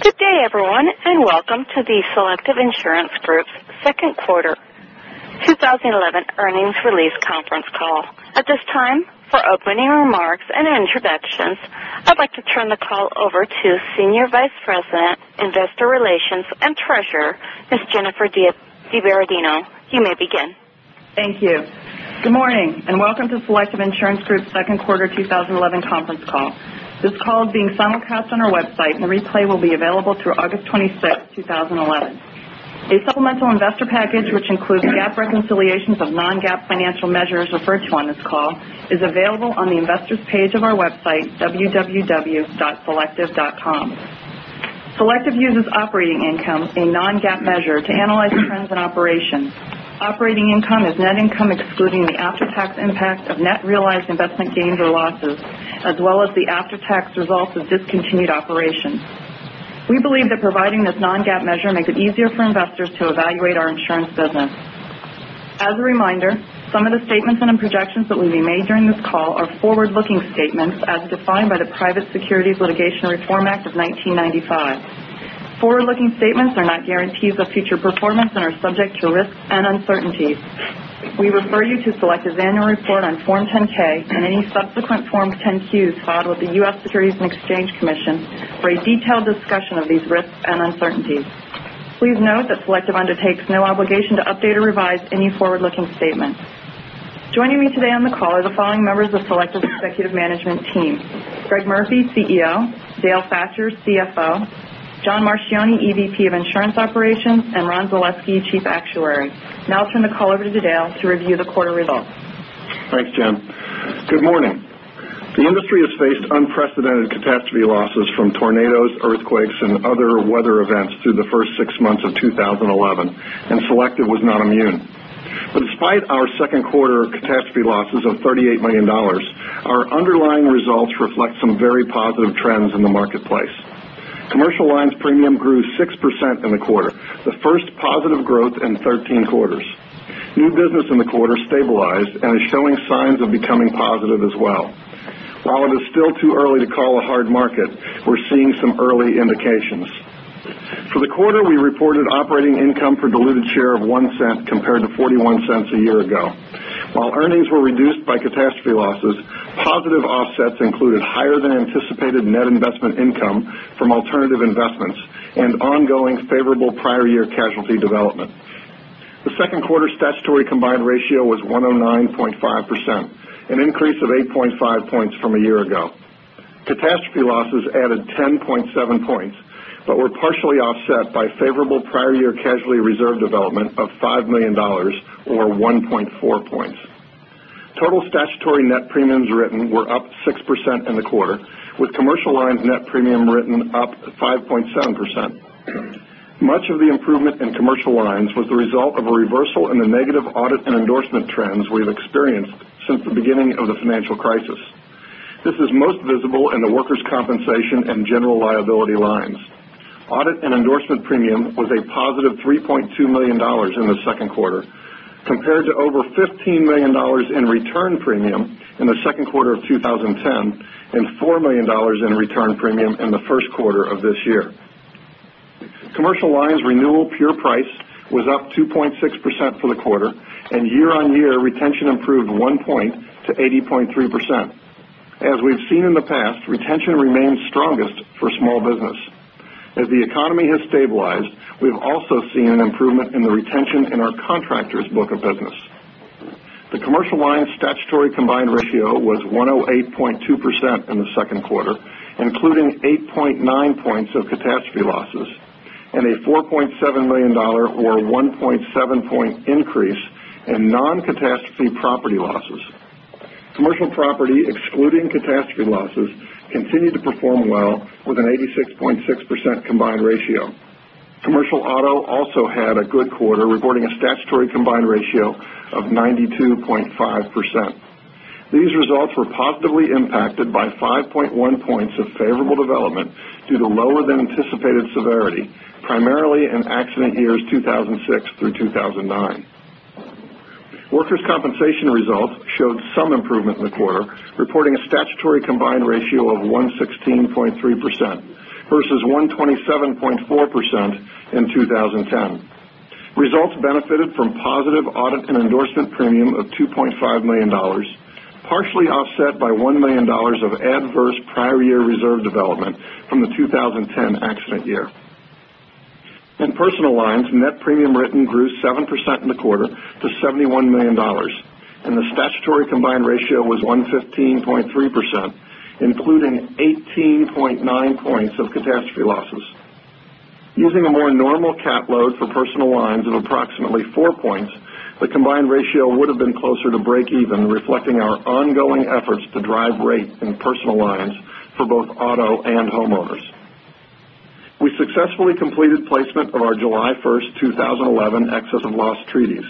Good day, everyone, and welcome to the Selective Insurance Group's second quarter 2011 earnings release conference call. At this time, for opening remarks and introductions, I'd like to turn the call over to Senior Vice President, Investor Relations and Treasurer, Ms. Jennifer DiBerardino. You may begin. Thank you. Good morning, and welcome to Selective Insurance Group's second quarter 2011 conference call. This call is being simulcast on our website, and a replay will be available through August 26th, 2011. A supplemental investor package, which includes GAAP reconciliations of non-GAAP financial measures referred to on this call, is available on the investor's page of our website, www.selective.com. Selective uses operating income, a non-GAAP measure, to analyze trends in operations. Operating income is net income excluding the after-tax impact of net realized investment gains or losses, as well as the after-tax results of discontinued operations. We believe that providing this non-GAAP measure makes it easier for investors to evaluate our insurance business. As a reminder, some of the statements and the projections that will be made during this call are forward-looking statements as defined by the Private Securities Litigation Reform Act of 1995. Forward-looking statements are not guarantees of future performance and are subject to risks and uncertainties. We refer you to Selective's annual report on Form 10-K and any subsequent Form 10-Qs filed with the U.S. Securities and Exchange Commission for a detailed discussion of these risks and uncertainties. Please note that Selective undertakes no obligation to update or revise any forward-looking statements. Joining me today on the call are the following members of Selective's executive management team, Greg Murphy, CEO; Dale Thatcher, CFO; John Marchioni, EVP of Insurance Operations; and Ron Zaleski, Chief Actuary. Now I'll turn the call over to Dale to review the quarter results. Thanks, Jen. Good morning. The industry has faced unprecedented catastrophe losses from tornadoes, earthquakes, and other weather events through the first six months of 2011, and Selective was not immune. Despite our second quarter catastrophe losses of $38 million, our underlying results reflect some very positive trends in the marketplace. Commercial lines premium grew 6% in the quarter, the first positive growth in 13 quarters. New business in the quarter stabilized and is showing signs of becoming positive as well. While it is still too early to call a hard market, we're seeing some early indications. For the quarter, we reported operating income per diluted share of $0.01 compared to $0.41 a year ago. While earnings were reduced by catastrophe losses, positive offsets included higher than anticipated net investment income from alternative investments and ongoing favorable prior year casualty development. The second quarter statutory combined ratio was 109.5%, an increase of 8.5 points from a year ago. Catastrophe losses added 10.7 points, were partially offset by favorable prior year casualty reserve development of $5 million, or 1.4 points. Total statutory net premiums written were up 6% in the quarter, with Commercial Lines net premium written up 5.7%. Much of the improvement in Commercial Lines was the result of a reversal in the negative audit and endorsement trends we've experienced since the beginning of the financial crisis. This is most visible in the Workers' Compensation and General Liability lines. Audit and endorsement premium was a positive $3.2 million in the second quarter, compared to over $15 million in return premium in the second quarter of 2010 and $4 million in return premium in the first quarter of this year. Commercial Lines renewal pure price was up 2.6% for the quarter. Year-on-year, retention improved one point to 80.3%. As we've seen in the past, retention remains strongest for small business. As the economy has stabilized, we've also seen an improvement in the retention in our contractors' book of business. The Commercial Lines statutory combined ratio was 108.2% in the second quarter, including 8.9 points of catastrophe losses and a $4.7 million, or 1.7 point increase in non-catastrophe property losses. Commercial Property, excluding catastrophe losses, continued to perform well with an 86.6% combined ratio. Commercial Auto also had a good quarter, reporting a statutory combined ratio of 92.5%. These results were positively impacted by 5.1 points of favorable development due to lower than anticipated severity, primarily in accident years 2006 through 2009. Workers' Compensation results showed some improvement in the quarter, reporting a statutory combined ratio of 116.3% versus 127.4% in 2010. Results benefited from positive audit and endorsement premium of $2.5 million, partially offset by $1 million of adverse prior year reserve development from the 2010 accident year. In Personal Lines, net premium written grew 7% in the quarter to $71 million, and the statutory combined ratio was 115.3%, including 18.9 points of catastrophe losses. Using a more normal cat load for Personal Lines of approximately four points, the combined ratio would have been closer to break even, reflecting our ongoing efforts to drive rates in Personal Lines for both auto and homeowners. We successfully completed placement of our July 1st, 2011 excess of loss treaties.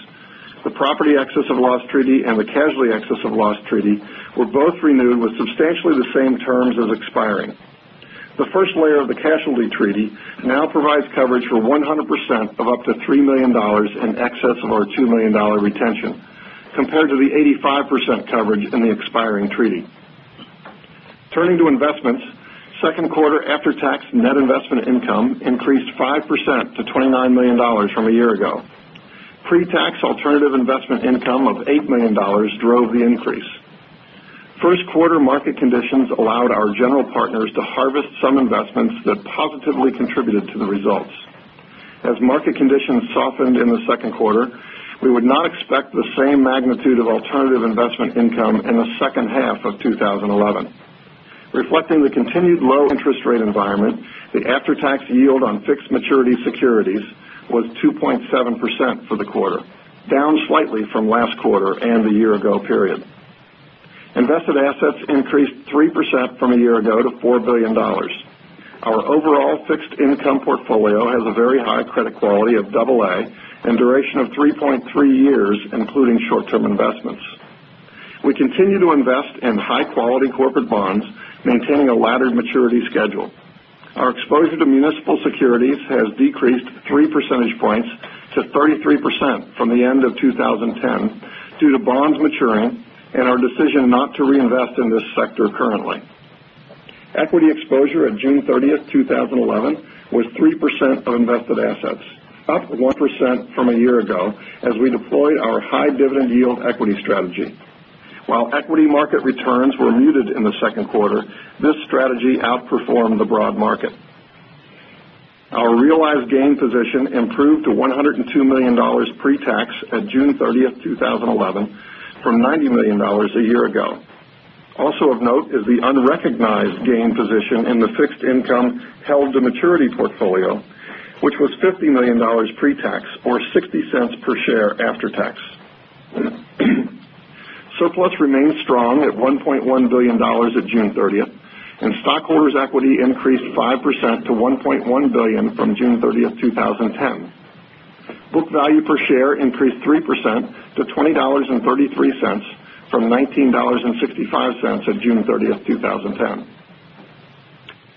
The property excess of loss treaty and the casualty excess of loss treaty were both renewed with substantially the same terms as expiring. The first layer of the casualty treaty now provides coverage for 100% of up to $3 million in excess of our $2 million retention compared to the 85% coverage in the expiring treaty. Turning to investments, second quarter after-tax net investment income increased 5% to $29 million from a year ago. Pre-tax alternative investment income of $8 million drove the increase. First quarter market conditions allowed our general partners to harvest some investments that positively contributed to the results. As market conditions softened in the second quarter, we would not expect the same magnitude of alternative investment income in the second half of 2011. Reflecting the continued low interest rate environment, the after-tax yield on fixed maturity securities was 2.7% for the quarter, down slightly from last quarter and the year ago period. Invested assets increased 3% from a year ago to $4 billion. Our overall fixed income portfolio has a very high credit quality of AA, and duration of 3.3 years, including short-term investments. We continue to invest in high-quality corporate bonds, maintaining a laddered maturity schedule. Our exposure to municipal securities has decreased three percentage points to 33% from the end of 2010 due to bonds maturing and our decision not to reinvest in this sector currently. Equity exposure at June 30th, 2011, was 3% of invested assets, up 1% from a year ago, as we deployed our high dividend yield equity strategy. While equity market returns were muted in the second quarter, this strategy outperformed the broad market. Our realized gain position improved to $102 million pre-tax at June 30th, 2011, from $90 million a year ago. Also of note is the unrecognized gain position in the fixed income held to maturity portfolio, which was $50 million pre-tax, or $0.60 per share after tax. Surplus remained strong at $1.1 billion at June 30th, and stockholders' equity increased 5% to $1.1 billion from June 30th, 2010. Book value per share increased 3% to $20.33, from $19.65 on June 30th, 2010.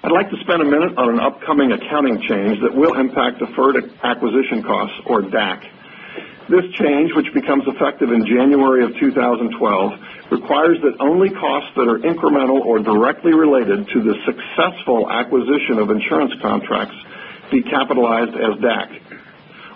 I'd like to spend a minute on an upcoming accounting change that will impact deferred acquisition costs, or DAC. This change, which becomes effective in January of 2012, requires that only costs that are incremental or directly related to the successful acquisition of insurance contracts be capitalized as DAC.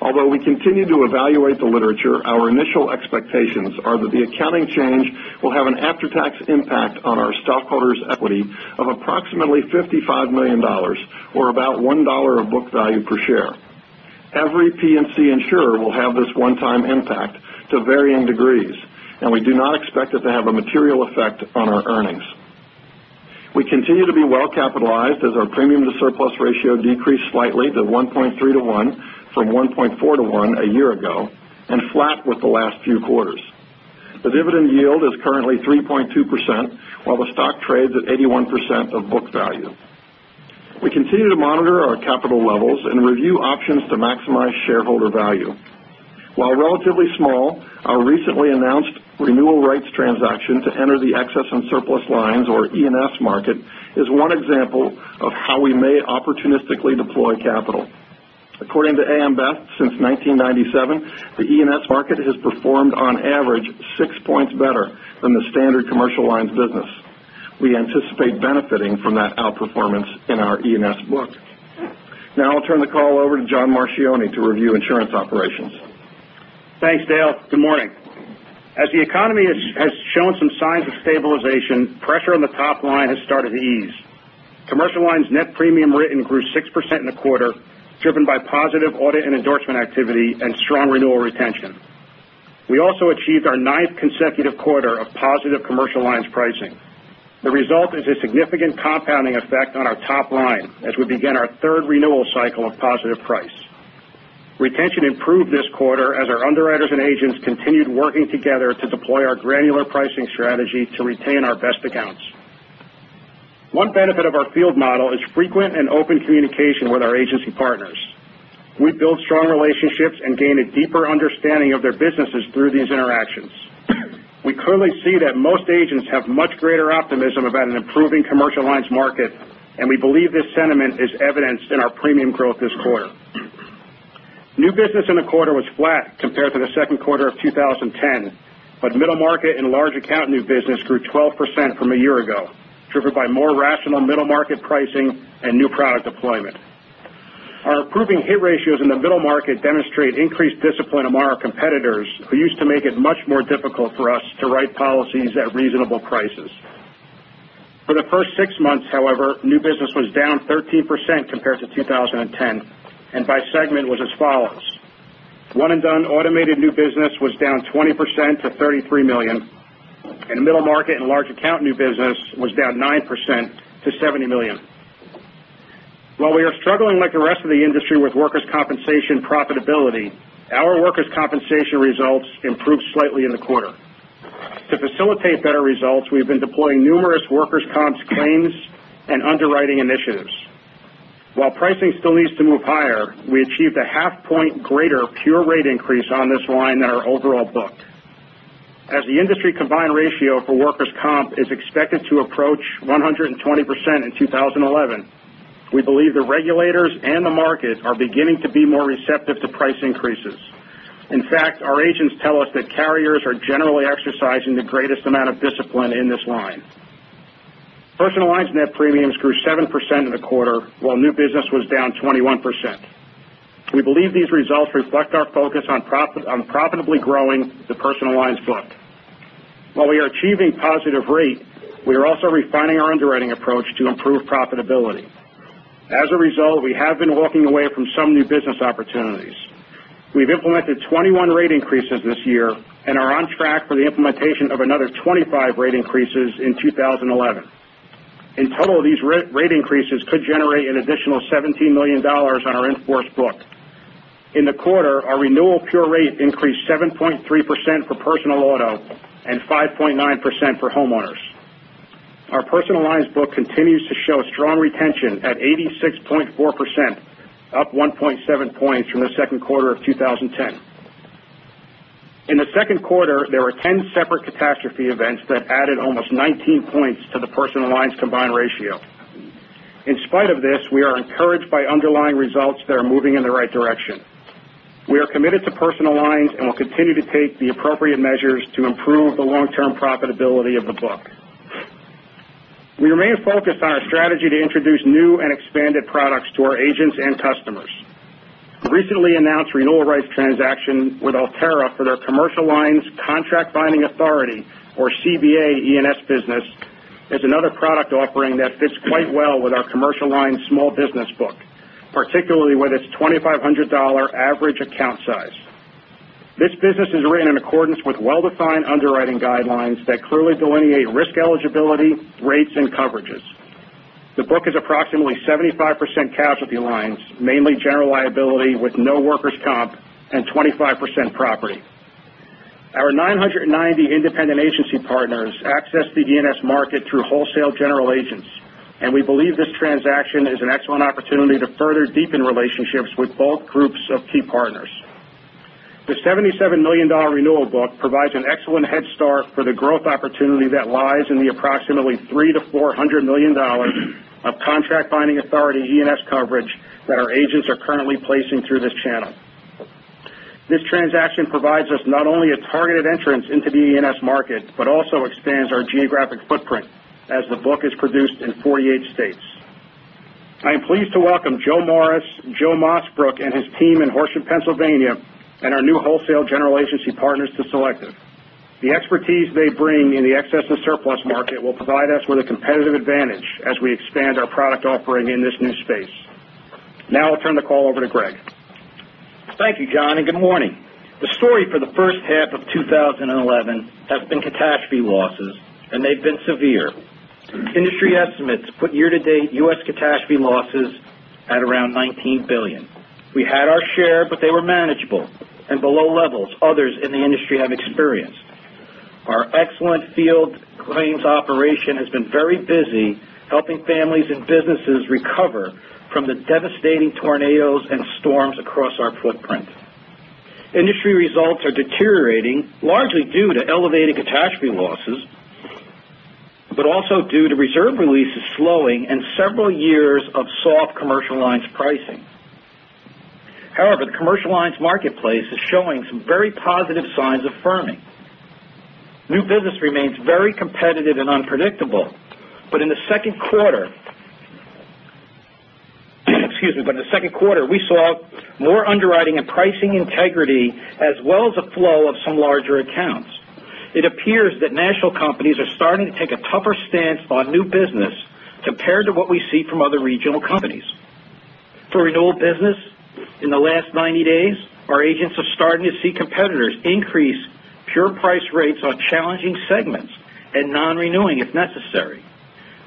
Although we continue to evaluate the literature, our initial expectations are that the accounting change will have an after-tax impact on our stockholders' equity of approximately $55 million, or about $1 of book value per share. Every P&C insurer will have this one-time impact to varying degrees, and we do not expect it to have a material effect on our earnings. We continue to be well capitalized as our premium to surplus ratio decreased slightly to 1.3:1 from 1.4:1 a year ago, and flat with the last few quarters. The dividend yield is currently 3.2%, while the stock trades at 81% of book value. We continue to monitor our capital levels and review options to maximize shareholder value. While relatively small, our recently announced renewal rights transaction to enter the Excess and Surplus Lines, or E&S market, is one example of how we may opportunistically deploy capital. According to A.M. Best, since 1997, the E&S market has performed on average six points better than the Standard Commercial Lines business. We anticipate benefiting from that outperformance in our E&S book. Now I'll turn the call over to John Marchione to review insurance operations. Thanks, Dale. Good morning. As the economy has shown some signs of stabilization, pressure on the top line has started to ease. Commercial Lines net premium written grew 6% in the quarter, driven by positive audit and endorsement activity and strong renewal retention. We also achieved our ninth consecutive quarter of positive Commercial Lines pricing. The result is a significant compounding effect on our top line as we begin our third renewal cycle of positive price. Retention improved this quarter as our underwriters and agents continued working together to deploy our granular pricing strategy to retain our best accounts. One benefit of our field model is frequent and open communication with our agency partners. We build strong relationships and gain a deeper understanding of their businesses through these interactions. We clearly see that most agents have much greater optimism about an improving Commercial Lines market, and we believe this sentiment is evidenced in our premium growth this quarter. New business in the quarter was flat compared to the second quarter of 2010. Middle market and large account new business grew 12% from a year ago, driven by more rational middle market pricing and new product deployment. Our improving hit ratios in the middle market demonstrate increased discipline among our competitors, who used to make it much more difficult for us to write policies at reasonable prices. For the first six months, however, new business was down 13% compared to 2010, and by segment was as follows: one and done automated new business was down 20% to $33 million, and middle market and large account new business was down 9% to $70 million. While we are struggling like the rest of the industry with Workers' Compensation profitability, our Workers' Compensation results improved slightly in the quarter. To facilitate better results, we've been deploying numerous Workers' Comp claims and underwriting initiatives. While pricing still needs to move higher, we achieved a half point greater pure rate increase on this line than our overall book. As the industry combined ratio for Workers' Comp is expected to approach 120% in 2011, we believe the regulators and the market are beginning to be more receptive to price increases. In fact, our agents tell us that carriers are generally exercising the greatest amount of discipline in this line. Personal Lines net premiums grew 7% in the quarter, while new business was down 21%. We believe these results reflect our focus on profitably growing the Personal Lines book. While we are achieving positive rate, we are also refining our underwriting approach to improve profitability. As a result, we have been walking away from some new business opportunities. We've implemented 21 rate increases this year and are on track for the implementation of another 25 rate increases in 2011. In total, these rate increases could generate an additional $17 million on our in-force book. In the quarter, our renewal pure rate increased 7.3% for Personal Auto and 5.9% for homeowners. Our Personal Lines book continues to show strong retention at 86.4%, up 1.7 points from the second quarter of 2010. In the second quarter, there were 10 separate catastrophe events that added almost 19 points to the Personal Lines combined ratio. In spite of this, we are encouraged by underlying results that are moving in the right direction. We are committed to personal lines and will continue to take the appropriate measures to improve the long-term profitability of the book. We remain focused on our strategy to introduce new and expanded products to our agents and customers. The recently announced renewal rights transaction with Alterra for their commercial lines Contract Binding Authority, or CBA, E&S business is another product offering that fits quite well with our commercial lines small business book, particularly with its $2,500 average account size. This business is written in accordance with well-defined underwriting guidelines that clearly delineate risk eligibility, rates, and coverages. The book is approximately 75% casualty lines, mainly general liability with no workers' comp, and 25% property. Our 990 independent agency partners access the E&S market through wholesale general agents. We believe this transaction is an excellent opportunity to further deepen relationships with both groups of key partners. The $77 million renewal book provides an excellent head start for the growth opportunity that lies in the approximately $3 million-$400 million of Contract Binding Authority E&S coverage that our agents are currently placing through this channel. This transaction provides us not only a targeted entrance into the E&S market, but also expands our geographic footprint as the book is produced in 48 states. I am pleased to welcome Joe Morris, Joe Mossbrook, and his team in Horsham, Pennsylvania, and our new wholesale general agency partners to Selective. The expertise they bring in the excess and surplus market will provide us with a competitive advantage as we expand our product offering in this new space. I'll turn the call over to Greg. Thank you, John. Good morning. The story for the first half of 2011 has been catastrophe losses, and they've been severe. Industry estimates put year-to-date U.S. catastrophe losses at around $19 billion. We had our share, but they were manageable and below levels others in the industry have experienced. Our excellent field claims operation has been very busy helping families and businesses recover from the devastating tornadoes and storms across our footprint. Industry results are deteriorating, largely due to elevated catastrophe losses, but also due to reserve releases slowing and several years of soft commercial lines pricing. However, the commercial lines marketplace is showing some very positive signs of firming. New business remains very competitive and unpredictable. In the second quarter, we saw more underwriting and pricing integrity, as well as a flow of some larger accounts. It appears that national companies are starting to take a tougher stance on new business compared to what we see from other regional companies. For renewal business in the last 90 days, our agents are starting to see competitors increase pure price rates on challenging segments and non-renewing if necessary.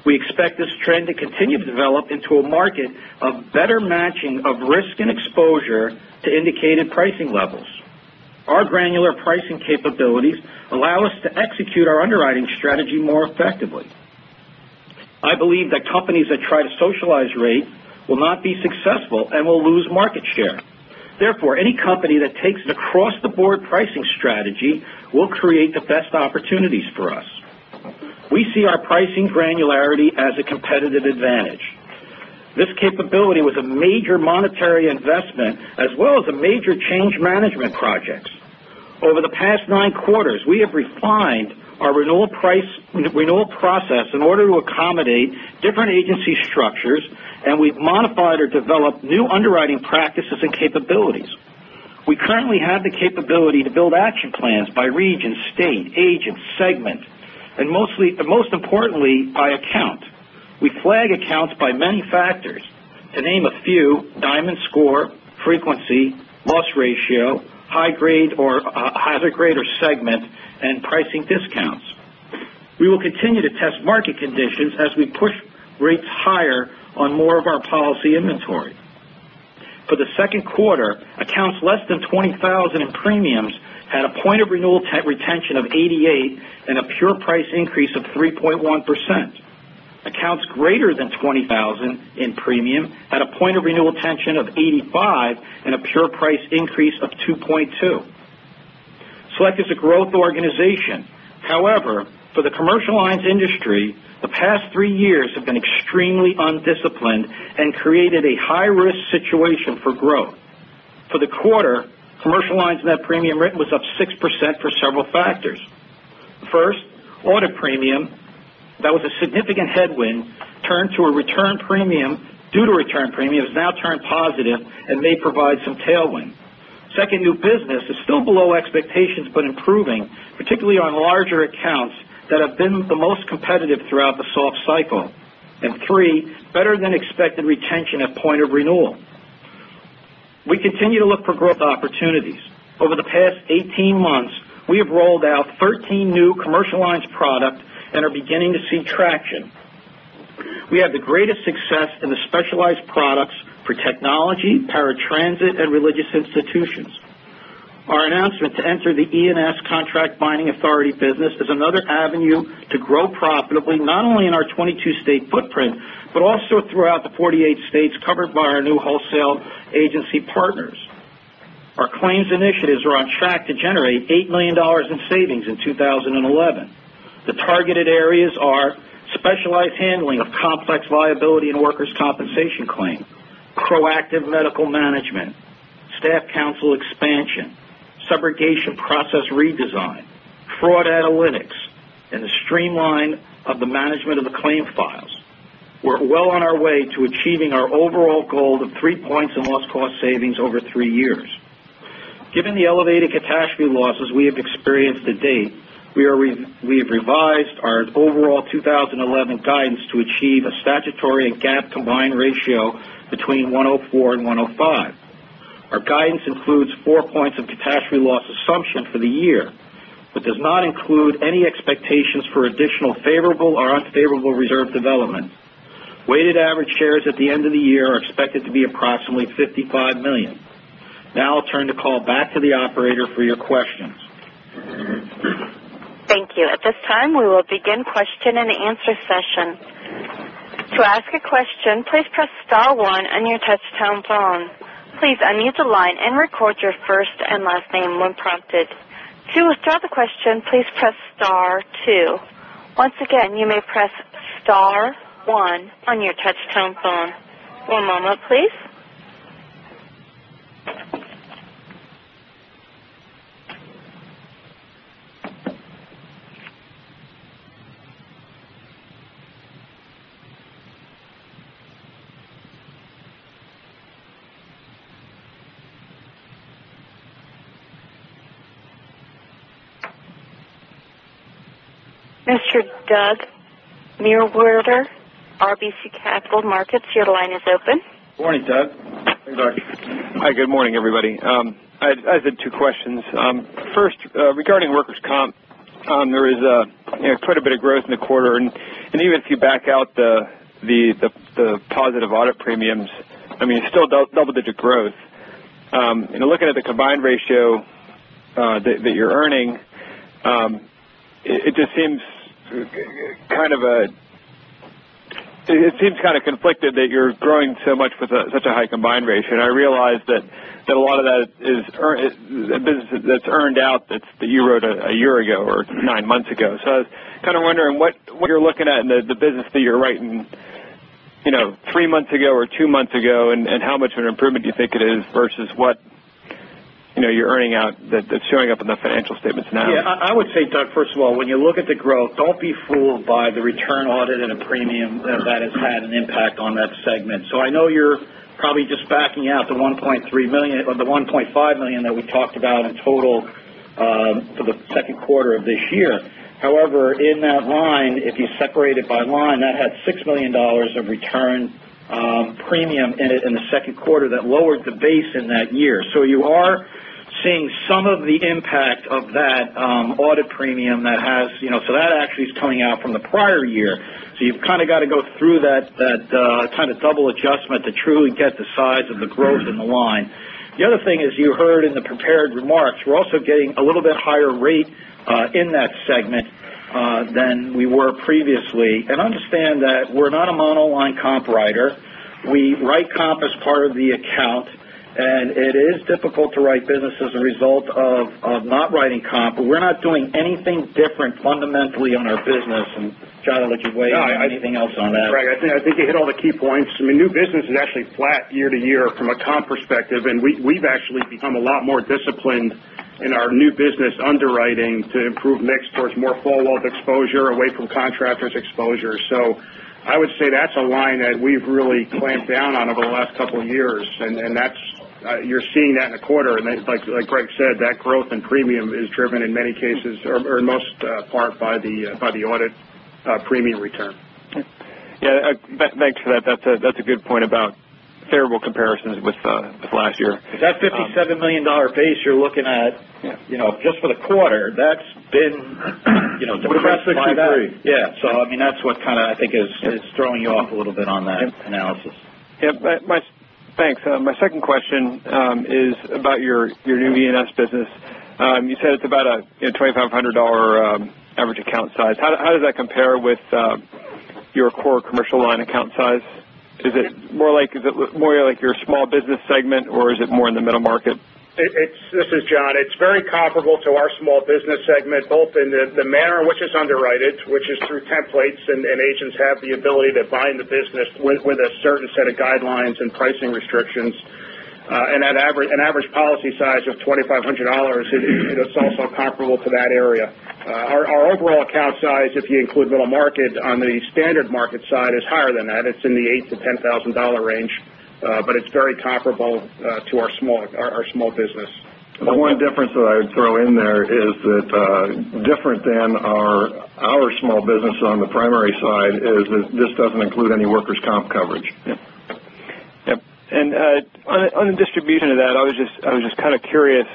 We expect this trend to continue to develop into a market of better matching of risk and exposure to indicated pricing levels. Our granular pricing capabilities allow us to execute our underwriting strategy more effectively. I believe that companies that try to socialize rate will not be successful and will lose market share. Therefore, any company that takes an across-the-board pricing strategy will create the best opportunities for us. We see our pricing granularity as a competitive advantage. This capability was a major monetary investment as well as a major change management project. Over the past nine quarters, we have refined our renewal process in order to accommodate different agency structures, and we've modified or developed new underwriting practices and capabilities. We currently have the capability to build action plans by region, state, agent, segment, and most importantly, by account. We flag accounts by many factors, to name a few, Diamond Score, frequency, loss ratio, hazard grade or segment, and pricing discounts. We will continue to test market conditions as we push rates higher on more of our policy inventory. For the second quarter, accounts less than $20,000 in premiums had a point of renewal retention of 88% and a pure price increase of 3.1%. Accounts greater than $20,000 in premium had a point of renewal retention of 85% and a pure price increase of 2.2%. Selective is a growth organization. For the commercial lines industry, the past three years have been extremely undisciplined and created a high-risk situation for growth. For the quarter, Commercial Lines net premium written was up 6% for several factors. First, audit premium, that was a significant headwind, turned to a return premium due to return premium has now turned positive and may provide some tailwind. Second, new business is still below expectations but improving, particularly on larger accounts that have been the most competitive throughout the soft cycle. 3, better-than-expected retention at point of renewal. We continue to look for growth opportunities. Over the past 18 months, we have rolled out 13 new Commercial Lines product and are beginning to see traction. We had the greatest success in the specialized products for technology, paratransit, and religious institutions. Our announcement to enter the E&S contract binding authority business is another avenue to grow profitably, not only in our 22-state footprint, but also throughout the 48 states covered by our new wholesale agency partners. Our claims initiatives are on track to generate $8 million in savings in 2011. The targeted areas are specialized handling of complex liability and Workers' Compensation claims, proactive medical management, staff counsel expansion, subrogation process redesign, fraud analytics, and the streamline of the management of the claim files. We're well on our way to achieving our overall goal of 3 points in loss cost savings over three years. Given the elevated catastrophe losses we have experienced to date, we have revised our overall 2011 guidance to achieve a statutory and GAAP combined ratio between 104 and 105. Our guidance includes 4 points of catastrophe loss assumption for the year, does not include any expectations for additional favorable or unfavorable reserve development. Weighted average shares at the end of the year are expected to be approximately 55 million. I'll turn the call back to the operator for your questions. Thank you. At this time, we will begin question and answer session. To ask a question, please press star one on your touchtone phone. Please unmute the line and record your first and last name when prompted. To withdraw the question, please press star two. Once again, you may press star one on your touchtone phone. One moment, please. Mr. Doug Nierwater, RBC Capital Markets, your line is open. Morning, Doug. Hey, Doug. Hi, good morning, everybody. I have two questions. First, regarding workers' comp, there is quite a bit of growth in the quarter, even if you back out the positive audit premiums, it's still double-digit growth. Looking at the combined ratio that you're earning, it seems kind of conflicted that you're growing so much with such a high combined ratio. I realize that a lot of that is business that's earned out that you wrote a year ago or nine months ago. I was kind of wondering what you're looking at in the business that you're writing three months ago or two months ago, and how much of an improvement do you think it is versus what you're earning out that's showing up in the financial statements now? I would say, Doug, first of all, when you look at the growth, don't be fooled by the return audit premium that has had an impact on that segment. I know you're probably just backing out the $1.5 million that we talked about in total for the second quarter of this year. However, in that line, if you separate it by line, that had $6 million of return premium in it in the second quarter that lowered the base in that year. You are seeing some of the impact of that audit premium. That actually is coming out from the prior year. You've kind of got to go through that kind of double adjustment to truly get the size of the growth in the line. The other thing is, you heard in the prepared remarks, we're also getting a little bit higher rate in that segment than we were previously. Understand that we're not a monoline comp writer. We write comp as part of the account, and it is difficult to write business as a result of not writing comp, but we're not doing anything different fundamentally on our business. John, I'll let you weigh in on anything else on that. Right. I think you hit all the key points. New business is actually flat year-over-year from a comp perspective, and we've actually become a lot more disciplined in our new business underwriting to improve mix towards more full value exposure away from contractors exposure. I would say that's a line that we've really clamped down on over the last couple of years, and you're seeing that in a quarter. Like Greg said, that growth in premium is driven in many cases or in most part by the audit premium return. Okay. Yeah, thanks for that. That's a good point about favorable comparisons with last year. That $57 million pace you're looking at just for the quarter, that's been-. About $63. Yeah. That's what I think is throwing you off a little bit on that analysis. Yeah. Thanks. My second question is about your new E&S business. You said it's about a $2,500 average account size. How does that compare with? Your core commercial line account size. Is it more like your small business segment or is it more in the middle market? This is John. It's very comparable to our small business segment, both in the manner in which it's underwritten, which is through templates, and agents have the ability to bind the business with a certain set of guidelines and pricing restrictions. An average policy size of $2,500 is also comparable to that area. Our overall account size, if you include middle market on the standard market side, is higher than that. It's in the $8,000-$10,000 range. It's very comparable to our small business. The one difference that I would throw in there is that different than our small business on the primary side is that this doesn't include any workers' comp coverage. Yep. On the distribution of that, I was just curious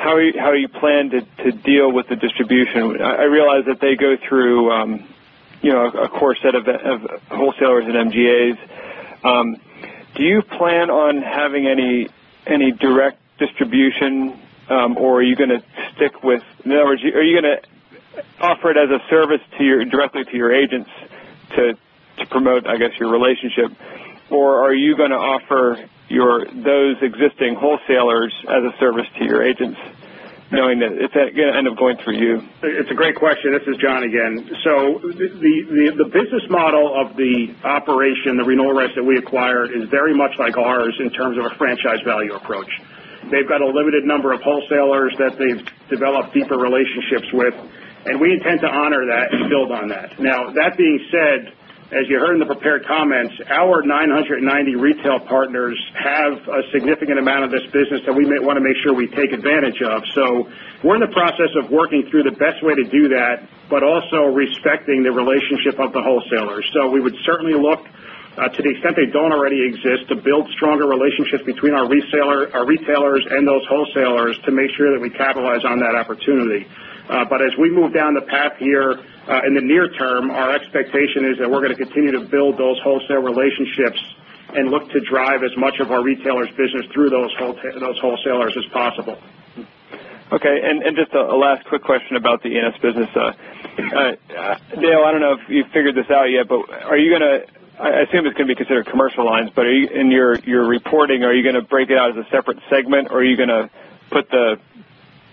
how you plan to deal with the distribution. I realize that they go through a core set of wholesalers and MGAs. Do you plan on having any direct distribution, or in other words, are you going to offer it as a service directly to your agents to promote, I guess, your relationship? Or are you going to offer those existing wholesalers as a service to your agents, knowing that it's going to end up going through you? It's a great question. This is John again. The business model of the operation, the renewal rights that we acquired, is very much like ours in terms of a franchise value approach. They've got a limited number of wholesalers that they've developed deeper relationships with, we intend to honor that and build on that. That being said, as you heard in the prepared comments, our 990 retail partners have a significant amount of this business that we want to make sure we take advantage of. We're in the process of working through the best way to do that, but also respecting the relationship of the wholesalers. We would certainly look, to the extent they don't already exist, to build stronger relationships between our retailers and those wholesalers to make sure that we capitalize on that opportunity. As we move down the path here, in the near term, our expectation is that we're going to continue to build those wholesale relationships and look to drive as much of our retailers' business through those wholesalers as possible. Just a last quick question about the E&S business. Dale, I don't know if you've figured this out yet, but I assume it's going to be considered commercial lines, but in your reporting, are you going to break it out as a separate segment or are you going to put the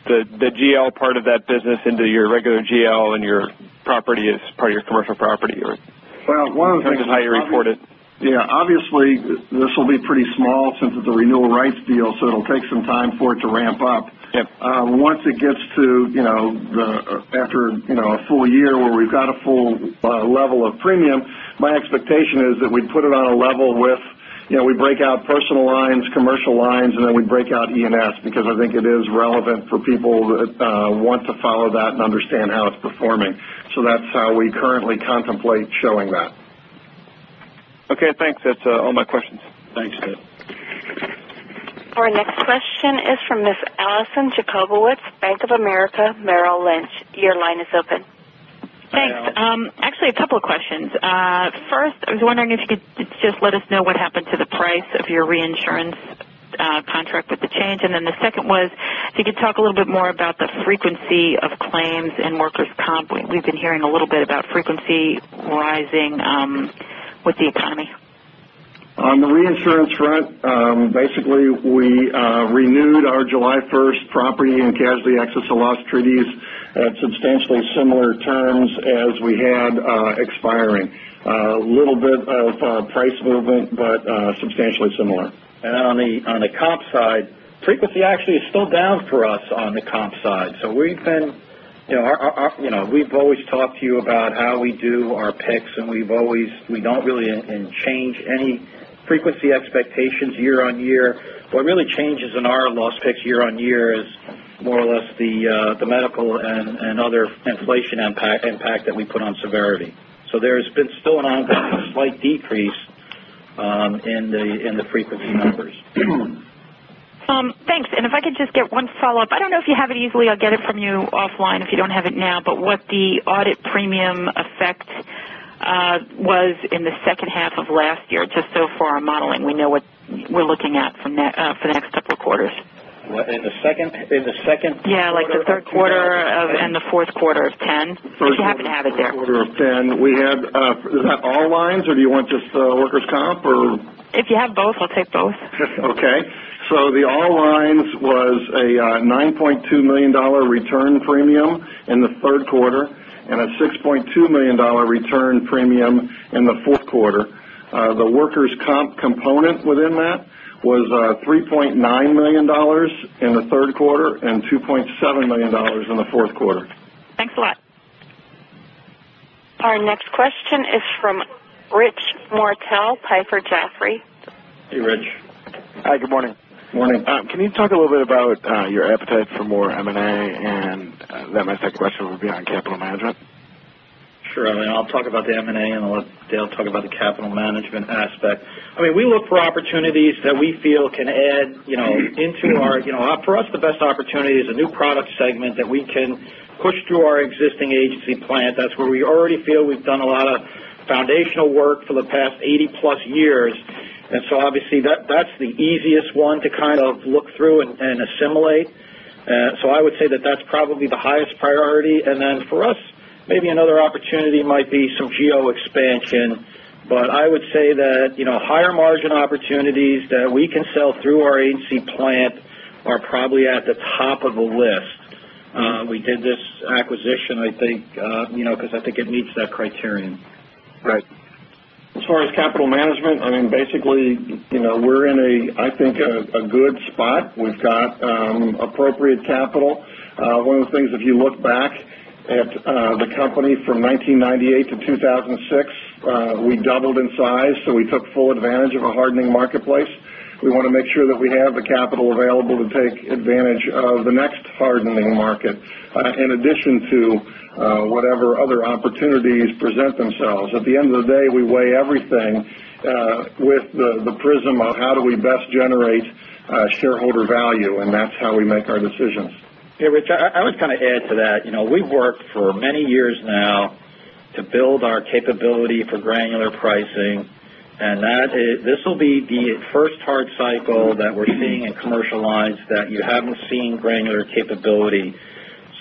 GL part of that business into your regular GL and your property as part of your Commercial Property? One of the things is- In terms of how you report it. Yeah. Obviously, this will be pretty small since it's a renewal rights deal, so it'll take some time for it to ramp up. Yep. Once it gets to after a full year where we've got a full level of premium, my expectation is that we'd put it on a level with, we break out Personal Lines, Commercial Lines, and then we break out E&S because I think it is relevant for people that want to follow that and understand how it's performing. That's how we currently contemplate showing that. Okay, thanks. That's all my questions. Thanks, Doug. Our next question is from Miss Allison Jacobowitz, Bank of America, Merrill Lynch. Your line is open. Thanks. Hi, Allison. A couple of questions. First, I was wondering if you could just let us know what happened to the price of your reinsurance contract with the change. The second was, if you could talk a little bit more about the frequency of claims in Workers' Comp. We've been hearing a little bit about frequency rising with the economy. On the reinsurance front, basically, we renewed our July 1st property and casualty excess of loss treaties at substantially similar terms as we had expiring. A little bit of price movement, substantially similar. On the comp side, frequency actually is still down for us on the comp side. We've always talked to you about how we do our picks, we don't really change any frequency expectations year-over-year. What really changes in our loss picks year-over-year is more or less the medical and other inflation impact that we put on severity. There's been still an ongoing slight decrease in the frequency numbers. Thanks. If I could just get one follow-up. I don't know if you have it easily. I'll get it from you offline if you don't have it now, but what the audit premium effect was in the second half of last year, just so for our modeling. We know what we're looking at for the next couple of quarters. In the second quarter? Yeah, like the third quarter and the fourth quarter of 2010. If you happen to have it there. Quarter of 2010. Is that all lines, or do you want just Workers' Comp or? If you have both, I'll take both. Okay. The all lines was a $9.2 million return premium in the third quarter and a $6.2 million return premium in the fourth quarter. The Workers' Comp component within that was $3.9 million in the third quarter and $2.7 million in the fourth quarter. Thanks a lot. Our next question is from Rich Martell, Piper Jaffray. Hey, Rich. Hi, good morning. Morning. Can you talk a little bit about your appetite for more M&A? Then my second question will be on capital management. Sure. I'll talk about the M&A, and I'll let Dale talk about the capital management aspect. We look for opportunities that we feel can add into for us, the best opportunity is a new product segment that we can push through our existing agency plant. That's where we already feel we've done a lot of Foundational work for the past 80-plus years. Obviously that's the easiest one to kind of look through and assimilate. I would say that that's probably the highest priority. Then for us, maybe another opportunity might be some geo expansion. I would say that higher margin opportunities that we can sell through our agency plant are probably at the top of the list. We did this acquisition, I think because I think it meets that criterion. Right. As far as capital management, basically, we're in a, I think, a good spot. We've got appropriate capital. One of the things, if you look back at the company from 1998 to 2006, we doubled in size, we took full advantage of a hardening marketplace. We want to make sure that we have the capital available to take advantage of the next hardening market, in addition to whatever other opportunities present themselves. At the end of the day, we weigh everything with the prism of how do we best generate shareholder value, that's how we make our decisions. Rich, I would kind of add to that. We've worked for many years now to build our capability for granular pricing. This'll be the first hard cycle that we're seeing in commercial lines that you haven't seen granular capability.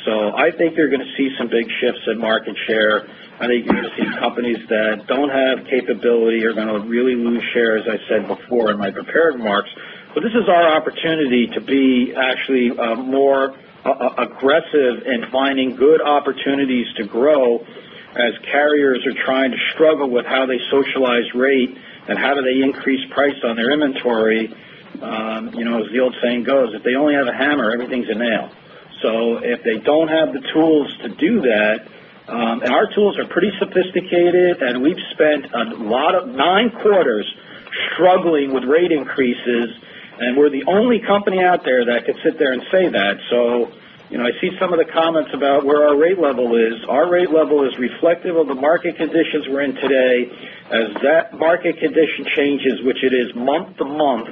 I think you're going to see some big shifts in market share. I think you're going to see companies that don't have capability are going to really lose share, as I said before in my prepared remarks. This is our opportunity to be actually more aggressive in finding good opportunities to grow as carriers are trying to struggle with how they socialize rate and how do they increase price on their inventory. As the old saying goes, if they only have a hammer, everything's a nail. If they don't have the tools to do that, our tools are pretty sophisticated, we've spent nine quarters struggling with rate increases, we're the only company out there that could sit there and say that. I see some of the comments about where our rate level is. Our rate level is reflective of the market conditions we're in today. As that market condition changes, which it is month-to-month,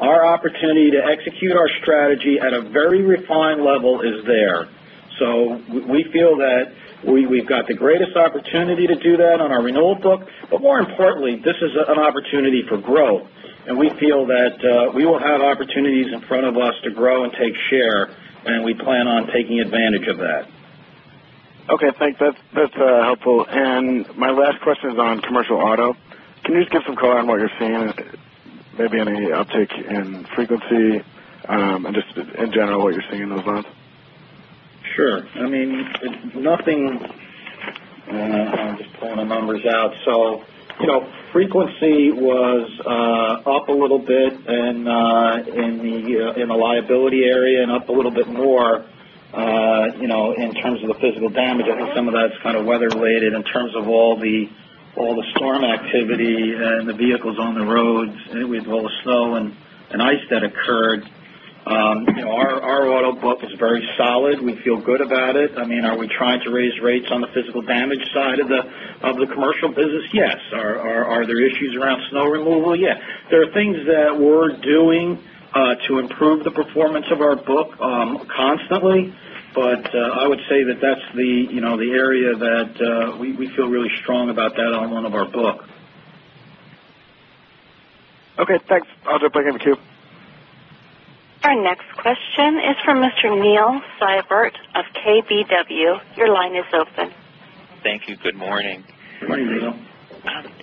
our opportunity to execute our strategy at a very refined level is there. We feel that we've got the greatest opportunity to do that on our renewal book. More importantly, this is an opportunity for growth, we feel that we will have opportunities in front of us to grow and take share, we plan on taking advantage of that. Okay, thanks. That's helpful. My last question is on Commercial Auto. Can you just give some color on what you're seeing, maybe any uptick in frequency, and just in general, what you're seeing in those lines? Sure. I'm just pulling the numbers out. Frequency was up a little bit in the liability area and up a little bit more in terms of the physical damage. I think some of that's kind of weather related in terms of all the storm activity and the vehicles on the roads. We had all the snow and ice that occurred. Our auto book is very solid. We feel good about it. Are we trying to raise rates on the physical damage side of the commercial business? Yes. Are there issues around snow removal? Yes. There are things that we're doing to improve the performance of our book constantly. I would say that that's the area that we feel really strong about that on one of our book. Okay, thanks. I'll jump back in the queue. Our next question is from Mr. Neil Seibert of KBW. Your line is open. Thank you. Good morning. Good morning, Neil.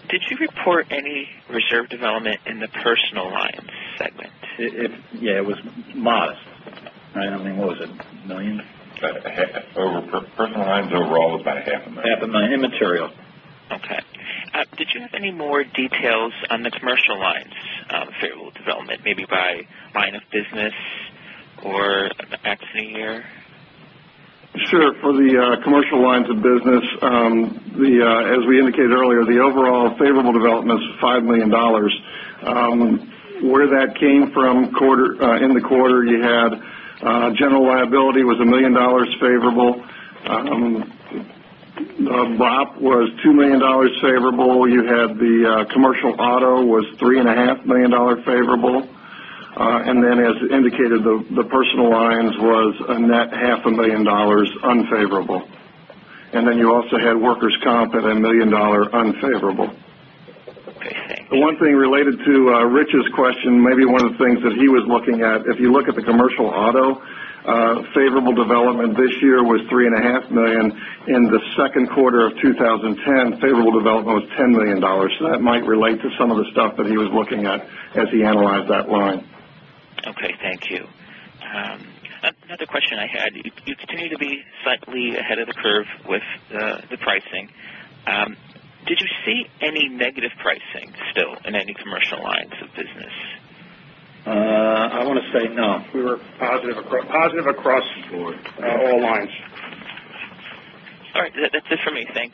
Did you report any reserve development in the Personal Lines segment? Yeah, it was modest. I mean, what was it? $1 million? Personal Lines overall was about half a million. Half a million. Immaterial. Okay. Did you have any more details on the commercial lines favorable development, maybe by line of business or accident year? Sure. For the commercial lines of business, as we indicated earlier, the overall favorable development is $5 million. Where that came from in the quarter, you had General Liability was $1 million favorable. BOP was $2 million favorable. You had the Commercial Auto was $3.5 million favorable. As indicated, the Personal Lines was a net half a million dollars unfavorable. You also had Workers' Comp at $1 million unfavorable. Okay, thank you. The one thing related to Rich's question, maybe one of the things that he was looking at, if you look at the Commercial Auto favorable development this year was $3.5 million. In the second quarter of 2010, favorable development was $10 million. That might relate to some of the stuff that he was looking at as he analyzed that line. Okay, thank you. Another question I had. You continue to be slightly ahead of the curve with the pricing. Did you see any negative pricing still in any commercial lines of business? I want to say no. We were positive across- Positive across the board. All lines. All right. That's it for me. Thanks.